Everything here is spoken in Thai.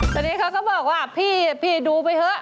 ตอนนี้เขาก็บอกว่าพี่ดูไปเถอะ